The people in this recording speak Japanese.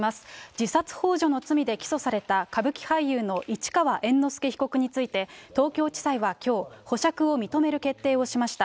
自殺ほう助の罪で起訴された歌舞伎俳優の市川猿之助被告について、東京地裁はきょう、保釈を認める決定をしました。